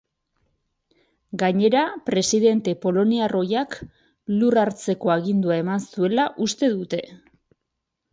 Gainera, presidente poloniar ohiak lur hartzeko agindua eman zuela uste dute.